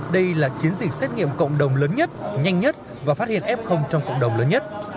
đây là chiến dịch xét nghiệm cộng đồng lớn nhất nhanh nhất và phát hiện f trong cộng đồng lớn nhất